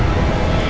aku akan menang